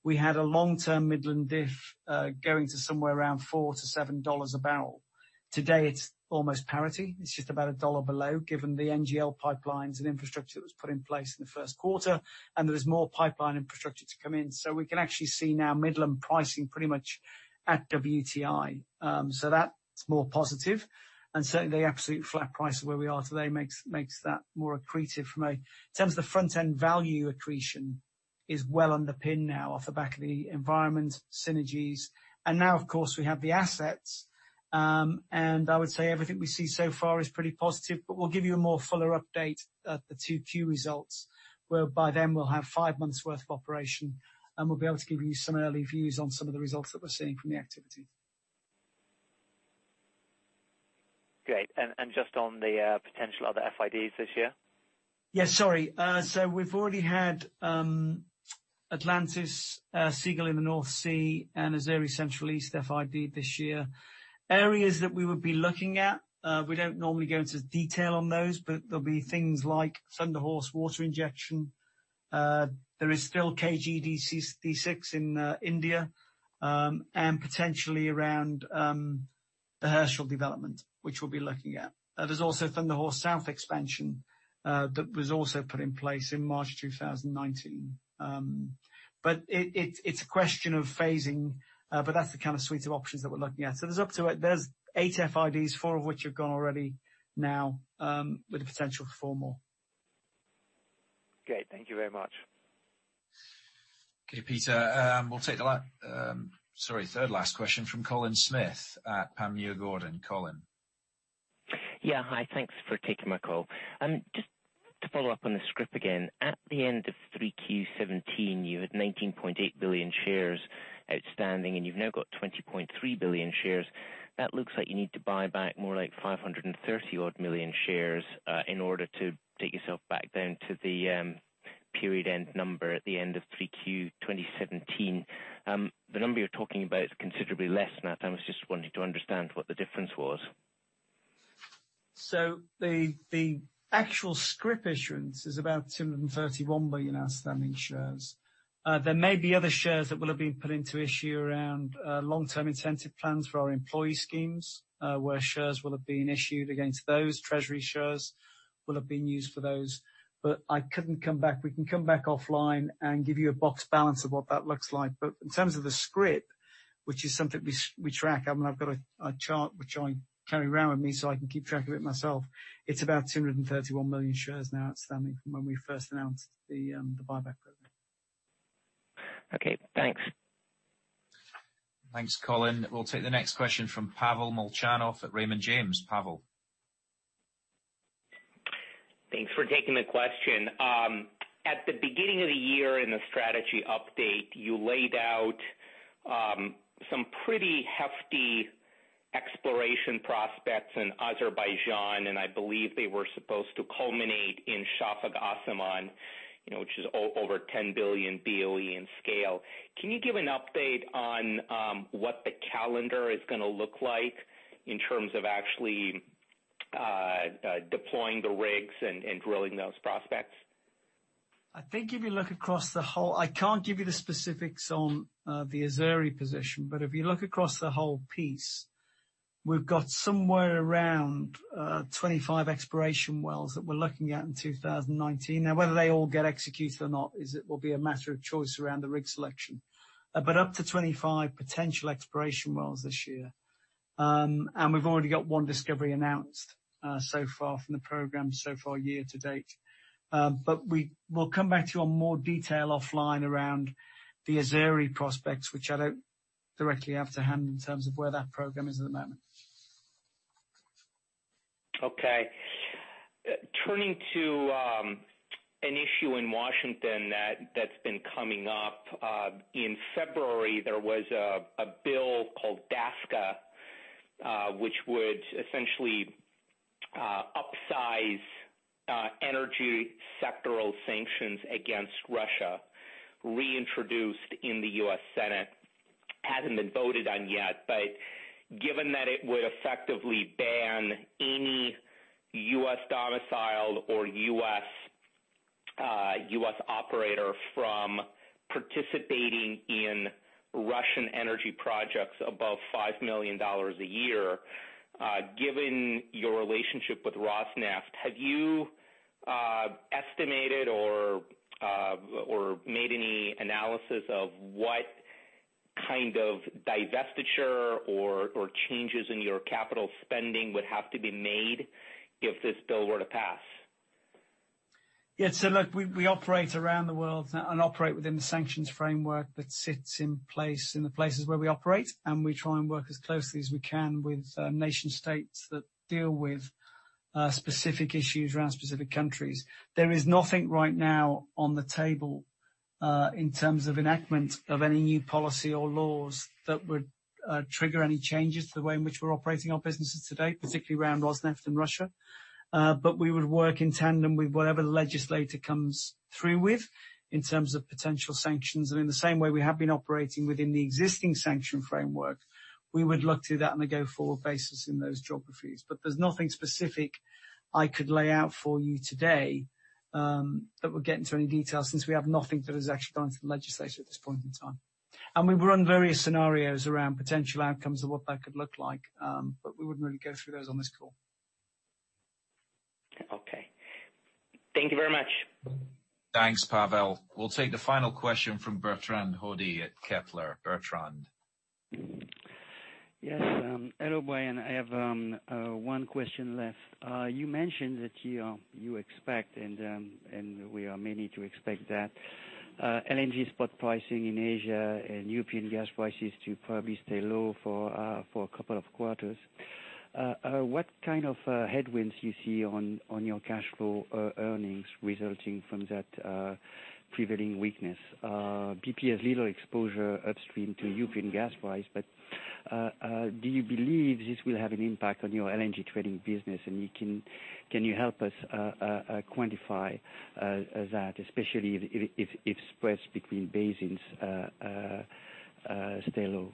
we had a long-term Midland diff, going to somewhere around $4-$7 a barrel. Today, it's almost parity. It's just about $1 below, given the NGL pipelines and infrastructure that was put in place in the first quarter, there is more pipeline infrastructure to come in. We can actually see now Midland pricing pretty much at WTI. That's more positive. Certainly the absolute flat price of where we are today makes that more accretive for me. In terms of the front-end value accretion is well underpinned now off the back of the environment synergies. Now of course we have the assets. I would say everything we see so far is pretty positive, but we'll give you a more fuller update at the 2Q results, where by then we'll have five months worth of operation, and we'll be able to give you some early views on some of the results that we're seeing from the activity. Great. Just on the potential other FIDs this year? Sorry. We've already had Atlantis, Seagull in the North Sea and Azeri Central East FID this year. Areas that we would be looking at, we don't normally go into detail on those, but there'll be things like Thunder Horse water injection. There is still KG-D6 in India, and potentially around the Herschel development, which we'll be looking at. There's also Thunder Horse South expansion, that was also put in place in March 2019. It's a question of phasing, but that's the kind of suite of options that we're looking at. There's eight FIDs, four of which have gone already now, with the potential for four more. Great. Thank you very much. Okay, Peter. We'll take the last, sorry, third last question from Colin Smith at Panmure Gordon. Colin. Yeah. Hi. Thanks for taking my call. Just to follow up on the scrip again. At the end of 3Q 2017, you had 19.8 billion shares outstanding, and you've now got 20.3 billion shares. That looks like you need to buy back more like 530 odd million shares, in order to take yourself back down to the period end number at the end of 3Q 2017. The number you're talking about is considerably less than that. I was just wanting to understand what the difference was. The actual scrip issuance is about 231 million outstanding shares. There may be other shares that will have been put into issue around long-term incentive plans for our employee schemes, where shares will have been issued against those treasury shares will have been used for those. We can come back offline and give you a box balance of what that looks like. In terms of the scrip, which is something we track, I've got a chart which I carry around with me so I can keep track of it myself. It's about 231 million shares now outstanding from when we first announced the buyback program. Okay, thanks. Thanks, Colin. We'll take the next question from Pavel Molchanov at Raymond James. Pavel. Thanks for taking the question. At the beginning of the year in the strategy update, you laid out some pretty hefty exploration prospects in Azerbaijan, and I believe they were supposed to culminate in Shafag-Asiman, which is over 10 billion BOE in scale. Can you give an update on what the calendar is going to look like in terms of actually deploying the rigs and drilling those prospects? I can't give you the specifics on the Azeri position, but if you look across the whole piece, we've got somewhere around 25 exploration wells that we're looking at in 2019. Now, whether they all get executed or not is, it will be a matter of choice around the rig selection. Up to 25 potential exploration wells this year. We've already got one discovery announced so far from the program so far year to date. We'll come back to you on more detail offline around the Azeri prospects, which I don't directly have to hand in terms of where that program is at the moment. Okay. Turning to an issue in Washington that's been coming up. In February, there was a bill called DASKA, which would essentially upsize energy sectoral sanctions against Russia, reintroduced in the U.S. Senate. Hasn't been voted on yet, but given that it would effectively ban any U.S.-domiciled or U.S.-U.S. operator from participating in Russian energy projects above $5 million a year. Given your relationship with Rosneft, have you estimated or made any analysis of what kind of divestiture or changes in your capital spending would have to be made if this bill were to pass? Yeah. Look, we operate around the world and operate within the sanctions framework that sits in place in the places where we operate, and we try and work as closely as we can with nation-states that deal with specific issues around specific countries. There is nothing right now on the table in terms of enactment of any new policy or laws that would trigger any changes to the way in which we're operating our businesses today, particularly around Rosneft and Russia. We would work in tandem with whatever the legislator comes through with in terms of potential sanctions. In the same way we have been operating within the existing sanction framework, we would look to that on a go-forward basis in those geographies. There's nothing specific I could lay out for you today that would get into any detail, since we have nothing that has actually gone to the legislature at this point in time. We've run various scenarios around potential outcomes of what that could look like. We wouldn't really go through those on this call. Okay. Thank you very much. Thanks, Pavel. We'll take the final question from Bertrand Hodée at Kepler. Bertrand? Yes. Hello, Brian. I have one question left. You mentioned that you expect, and we are meaning to expect that, LNG spot pricing in Asia and European gas prices to probably stay low for a couple of quarters. What kind of headwinds do you see on your cash flow earnings resulting from that prevailing weakness? BP has little exposure upstream to European gas price, do you believe this will have an impact on your LNG trading business? Can you help us quantify that, especially if spreads between basins stay low?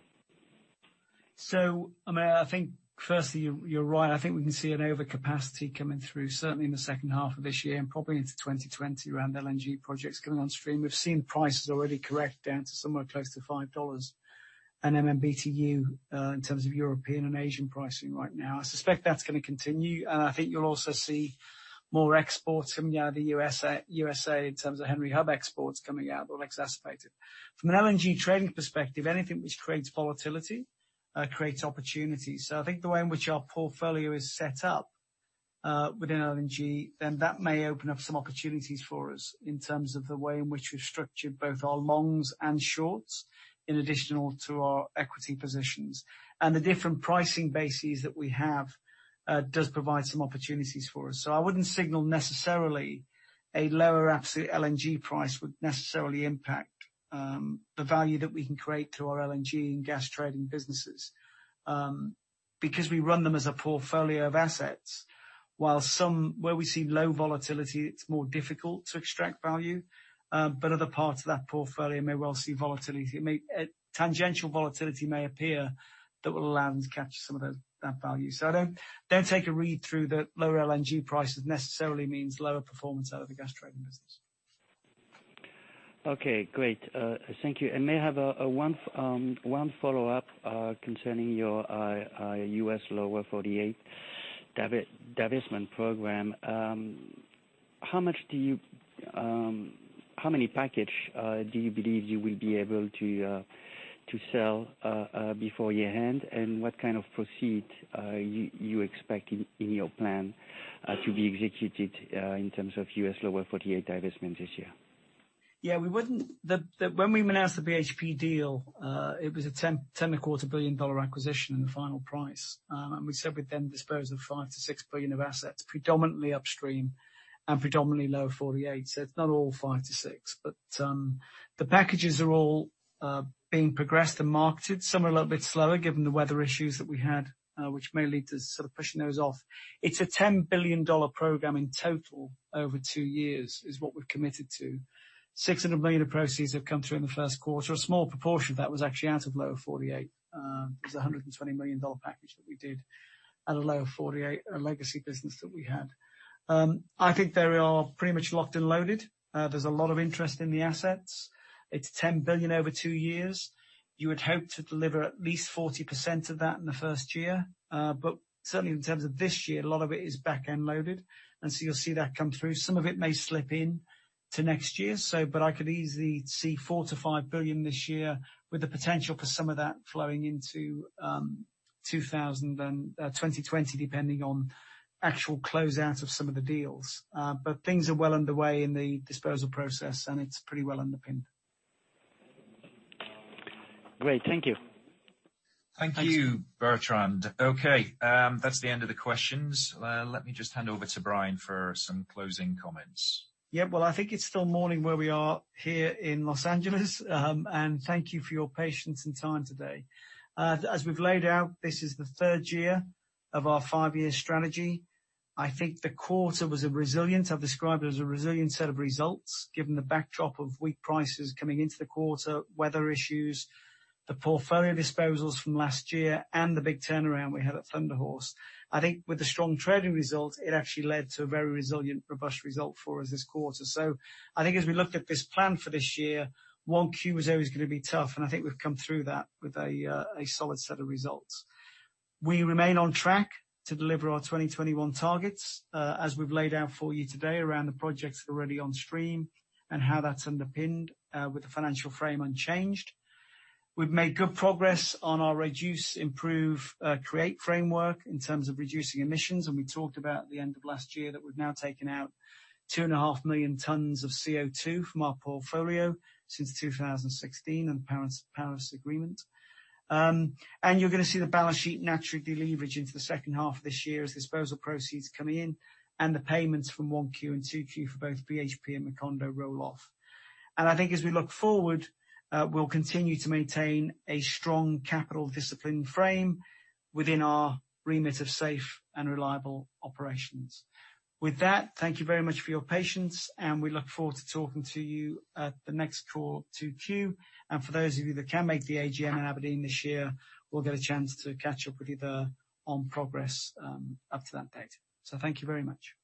I think firstly, you're right. I think we can see an overcapacity coming through, certainly in the second half of this year and probably into 2020 around LNG projects coming on stream. We've seen prices already correct down to somewhere close to $5 an MMBtu in terms of European and Asian pricing right now. I suspect that's going to continue, and I think you'll also see more exports coming out of the U.S.A. in terms of Henry Hub exports coming out will exacerbate it. From an LNG trading perspective, anything which creates volatility creates opportunities. I think the way in which our portfolio is set up within LNG, then that may open up some opportunities for us in terms of the way in which we've structured both our longs and shorts in addition to our equity positions. The different pricing bases that we have does provide some opportunities for us. I wouldn't signal necessarily a lower absolute LNG price would necessarily impact the value that we can create through our LNG and gas trading businesses. We run them as a portfolio of assets, while some where we see low volatility, it's more difficult to extract value. Other parts of that portfolio may well see volatility. Tangential volatility may appear that will allow them to capture some of that value. I don't take a read through the lower LNG prices necessarily means lower performance out of the gas trading business. Okay, great. Thank you. I may have one follow-up concerning your U.S. Lower 48 divestment program. How many package do you believe you will be able to sell before year-end? What kind of proceed you expect in your plan to be executed in terms of U.S. Lower 48 divestment this year? When we announced the BHP deal, it was a $10.25 billion acquisition in the final price. We said we'd then dispose of $5 billion-$6 billion of assets, predominantly upstream and predominantly Lower 48. It's not all five to six. The packages are all being progressed and marketed. Some are a little bit slower given the weather issues that we had, which may lead to sort of pushing those off. It's a $10 billion program in total over two years, is what we've committed to. $600 million of proceeds have come through in the first quarter. A small proportion of that was actually out of Lower 48. It was a $120 million package that we did out of Lower 48, a legacy business that we had. I think they are pretty much locked and loaded. There's a lot of interest in the assets. It's $10 billion over two years. You would hope to deliver at least 40% of that in the first year. Certainly in terms of this year, a lot of it is back-end loaded. You'll see that come through. Some of it may slip into next year. I could easily see $4 billion-$5 billion this year with the potential for some of that flowing into 2020, depending on actual closeout of some of the deals. Things are well underway in the disposal process, and it's pretty well underpinned. Great. Thank you. Thanks. Thank you, Bertrand. That's the end of the questions. Let me just hand over to Brian for some closing comments. I think it's still morning where we are here in L.A. Thank you for your patience and time today. As we've laid out, this is the third year of our five-year strategy. I think the quarter was a resilient, I've described it as a resilient set of results, given the backdrop of weak prices coming into the quarter, weather issues, the portfolio disposals from last year, and the big turnaround we had at Thunder Horse. I think with the strong trading results, it actually led to a very resilient, robust result for us this quarter. I think as we looked at this plan for this year, 1Q was always going to be tough, and I think we've come through that with a solid set of results. We remain on track to deliver our 2021 targets, as we've laid out for you today around the projects already on stream and how that's underpinned with the financial frame unchanged. We've made good progress on our reduce, improve, create framework in terms of reducing emissions. We talked about at the end of last year that we've now taken out two and a half million tons of CO2 from our portfolio since 2016 and the Paris Agreement. You're going to see the balance sheet naturally deleverage into the second half of this year as disposal proceeds come in and the payments from 1Q and 2Q for both BHP and Macondo roll off. I think as we look forward, we'll continue to maintain a strong capital discipline frame within our remit of safe and reliable operations. With that, thank you very much for your patience. We look forward to talking to you at the next call, 2Q. For those of you that can make the AGM in Aberdeen this year, we'll get a chance to catch up with you there on progress up to that date. Thank you very much.